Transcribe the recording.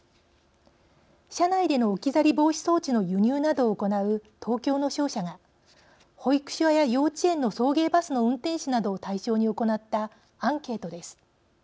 車内での置き去り防止装置の輸入などを行う東京の商社が保育所や幼稚園の送迎バスの運転手などを対象に行ったアンケートです。